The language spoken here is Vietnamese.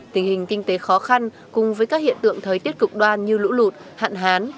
tình hình kinh tế khó khăn cùng với các hiện tượng thời tiết cực đoan như lũ lụt hạn hán